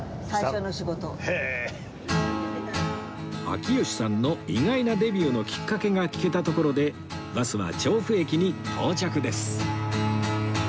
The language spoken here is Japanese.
秋吉さんの意外なデビューのきっかけが聞けたところでバスは調布駅に到着です